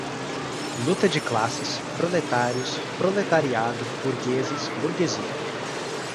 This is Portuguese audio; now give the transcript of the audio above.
Luta de classes, proletários, proletariado, burgueses, burguesia